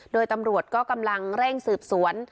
โดยตำรวจก็กำลังเร่งสืบสวน